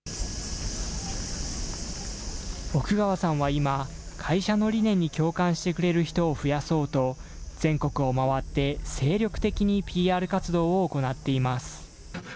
奥川さんは今、会社の理念に共感してくれる人を増やそうと、全国を回って精力的にＰＲ活動を行っています。